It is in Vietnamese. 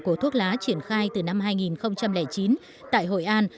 của thuốc lá triển khai từ năm hai nghìn chín tại hội an